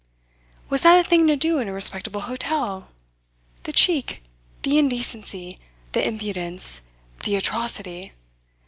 Was that a thing to do in a respectable hotel? The cheek, the indecency, the impudence, the atrocity!